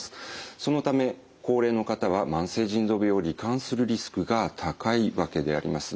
そのため高齢の方は慢性腎臓病をり患するリスクが高いわけであります。